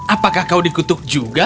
apakah kau dikutuk juga